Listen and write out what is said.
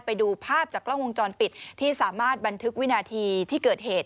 ไปดูภาพจากกล้องวงจรปิดที่สามารถบันทึกวินาทีที่เกิดเหตุ